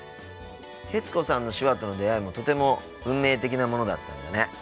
徹子さんの手話との出会いもとても運命的なものだったんだね。